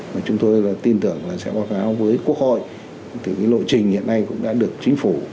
và chúng tôi tin tưởng sẽ báo cáo với quốc hội lộ trình hiện nay cũng đã được chính phủ